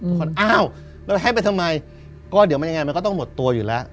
อ้าวแล้วให้ไปทำไมก็เดี๋ยวมันยังไงมันก็ต้องหมดตัวอยู่แล้ว